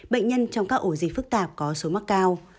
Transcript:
bệnh nhân trong các ổ dịch phức tạp có số mắc cao